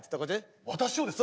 私をですか？